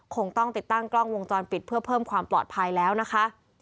คงต้องติดตั้งกล้องวงจรปิดเพื่อเพิ่มความปลอดภัยแล้วนะคะ